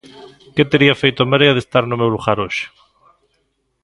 Que tería feito a Marea de estar no meu lugar hoxe?